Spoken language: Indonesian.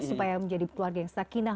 supaya menjadi keluarga yang sakinah